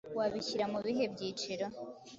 wabishyira mu bihe byiciro?